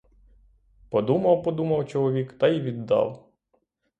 Подумав, подумав чоловік та й віддав.